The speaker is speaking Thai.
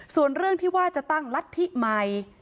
ส่วนเรื่องที่ว่าจะตั้งรัฐธิใหม่